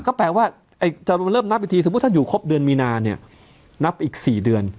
ก็แปลว่าจะเริ่มนับอีกทีสมมุติท่านอยู่ครบเดือนมีนาเนี่ยนับอีก๔เดือน